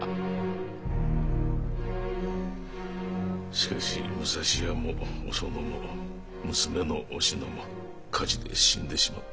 しかし武蔵屋もおそのも娘のおしのも火事で死んでしまった。